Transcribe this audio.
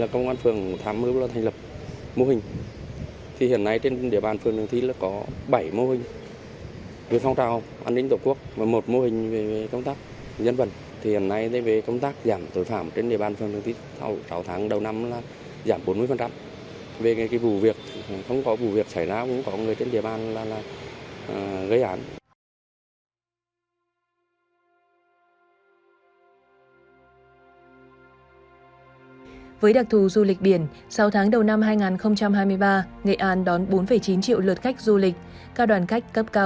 công an phường trường thi đã đạt một mươi chín trên hai mươi hai tiêu chí tạo sự chuyển biến rõ nét về công tác đảm bảo an ninh trật tự tại cơ sở